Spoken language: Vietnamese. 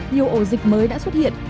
nhiều ổ dịch mới đã xuất hiện